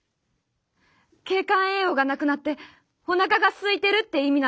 『経管栄養がなくなってお腹がすいてるって意味なの？』。